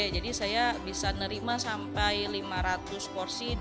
jadi saya bisa nerima sampai lima ratus porsi